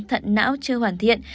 thận não chưa hoàn thiện